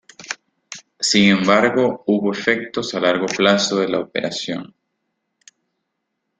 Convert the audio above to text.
Sin embargo, hubo efectos a largo plazo de la operación.